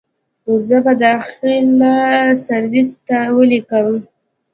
زه به داخله سرويس ته وليکم.